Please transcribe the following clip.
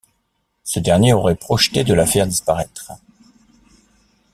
Ce dernier aurait projeté de la faire disparaître.